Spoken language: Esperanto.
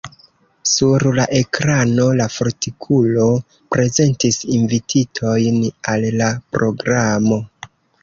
Sur la ekrano la fortikulo prezentis invititojn al la programo.